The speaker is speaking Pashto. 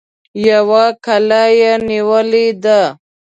يوه کلا يې نيولې ده.